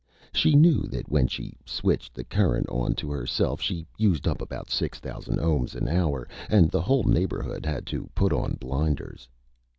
She knew that when she switched the Current on to herself she Used up about 6,000 Ohms an hour, and the whole Neighborhood had to put on Blinders.